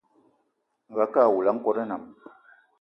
Angakë awula a nkòt nnam